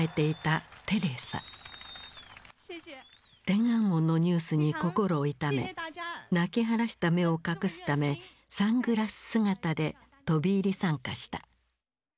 天安門のニュースに心を痛め泣きはらした目を隠すためサングラス姿で飛び入り参加した。